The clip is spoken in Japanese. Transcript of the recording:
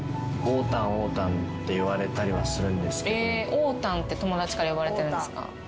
おーたんって友達から呼ばれてるんですか？